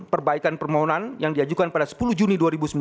perbaikan permohonan yang diajukan pada sepuluh juni dua ribu sembilan belas